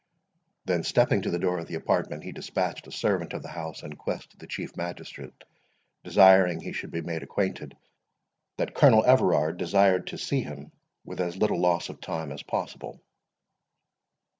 Then, stepping to the door of the apartment, he despatched a servant of the house in quest of the Chief Magistrate, desiring he should be made acquainted that Colonel Everard desired to see him with as little loss of time as possible.